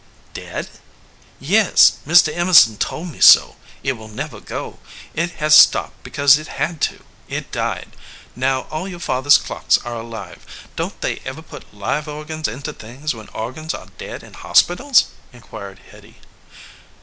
"Dead?" "Yes, Mr. Emerson told me so. It never will go. It has stopped because it had to. It died. Now all your father s clocks are alive. Don t they ever put live organs into things when organs are dead in hospitals?" inquired Hitty.